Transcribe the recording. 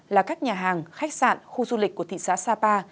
là các nhà hàng khách sạn khu du lịch của thị xã sapa